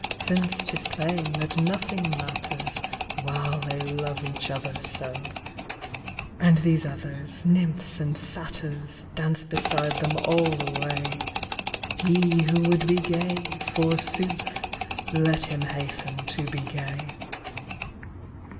Since 'tis plain that nothing matters While they love each other so ; And these others, nymphs and satyrs, Dance beside them all the way : He who would be gay, forsooth, Let him hasten to be gay.